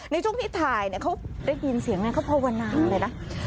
ในช่วงที่ถ่ายเขาได้ยินเสียงนั้นเขาภาวนาเลยนะ